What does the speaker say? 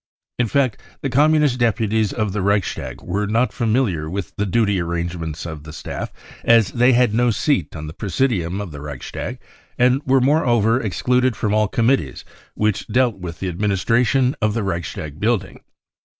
In fact, the Com munist deputies of the Reichstag were not familiar with the duty arrangements of the staff, as they had no seat on the presidium of the Reichstag and were moreover ex cluded from all Committees which dealt with the adminis tration of the Reichstag building.